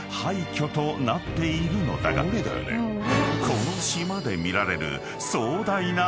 ［この島で見られる］